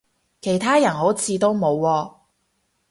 其他人好似都冇喎